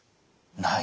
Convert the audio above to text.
ない？